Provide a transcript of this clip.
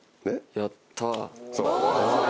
やった。